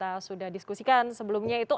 kita sudah diskusikan sebelumnya itu